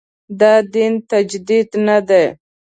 دا دین تجدید نه دی.